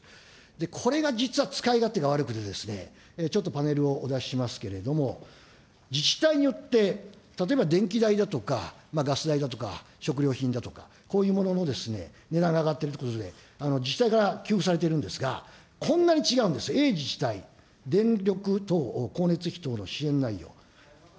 これが実は使い勝手が悪くて、ちょっとパネルをお出ししますけれども、自治体によって例えば電気代だとか、ガス代だとか、食料品だとか、こういうものの値段が上がっているということで、自治体から給付されているんですが、こんなに違うんですよ、Ａ自治体、電力等、光熱費等の支援内容。